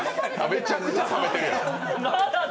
めちゃくちゃ食べてるやん。